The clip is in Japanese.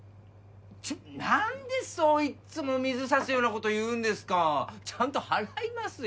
ちょっ何でそういっつも水差すようなこと言うんですかちゃんと払いますよ